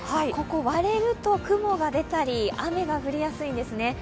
ここが割れると雲が出たり雨が降りやすいんです。